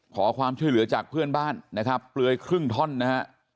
ขอความช่วยเหลือจากเพื่อนบ้านนะครับเปลือยครึ่งท่อนนะฮะ